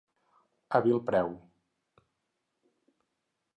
A vil preu.